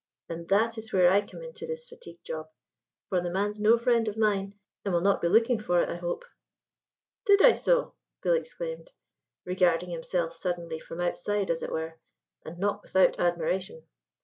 And that is where I come into this fatigue job: for the man's no friend of mine, and will not be looking it, I hope." "Did I so?" Bill exclaimed, regarding himself suddenly from outside, as it were, and not without admiration.